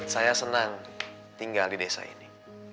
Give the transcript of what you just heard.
saya senang tinggal di desa ini